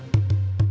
tekan satu terus